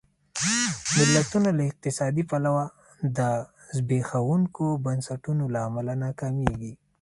ملتونه له اقتصادي پلوه د زبېښونکو بنسټونو له امله ناکامېږي.